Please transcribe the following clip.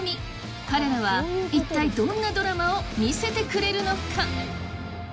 彼らは一体、どんなドラマを見せてくれるのか？